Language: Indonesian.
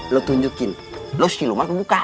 lu tunjukin lu siluman bukan